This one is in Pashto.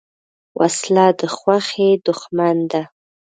وسله د خوښۍ دښمن ده